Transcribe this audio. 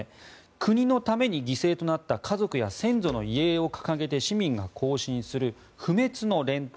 国のために犠牲となった家族や先祖の遺影を掲げて市民が行進する不滅の連隊。